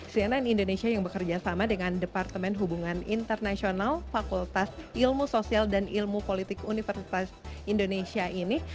cnn indonesia yang bekerja sama dengan departemen hubungan internasional fakultas ilmu sosial dan ilmu politik universitas indonesia ini